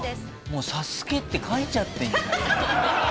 もう「ＳＡＳＵＫＥ」って書いちゃってるじゃん。